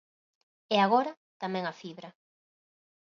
E agora, tamén a fibra.